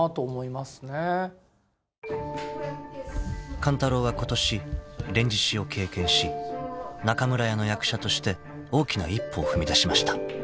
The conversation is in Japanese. ［勘太郎はことし『連獅子』を経験し中村屋の役者として大きな一歩を踏み出しました］